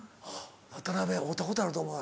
渡会うたことあると思う。